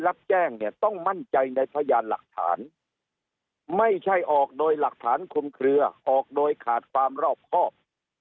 รับแจ้งเนี่ยต้องมั่นใจในพยานหลักฐานไม่ใช่ออกโดยหลักฐานคุมเคลือออกโดยขาดความรอบครอบ